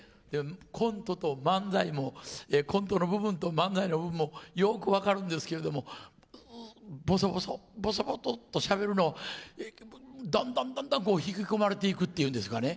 コントと漫才もコントの部分と、漫才の部分もよく分かるんですけどぼそぼそっと、しゃべるのにだんだん引き込まれていくっていうんですかね。